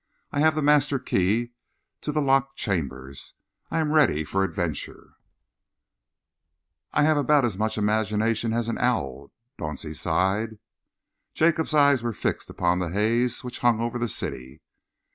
I have the master key to the locked chambers. I am ready for adventures." "I have about as much imagination as an owl," Dauncey sighed. Jacob's eyes were fixed upon the haze which hung over the city.